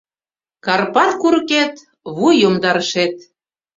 Карпат курыкет — вуй йомдарышет.